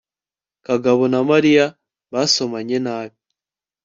kagabo na mariya basomanye nabi